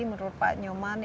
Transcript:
menurut pak nyoman